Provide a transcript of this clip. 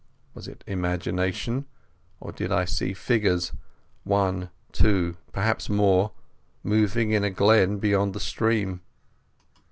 Was it imagination, or did I see figures—one, two, perhaps more—moving in a glen beyond the stream?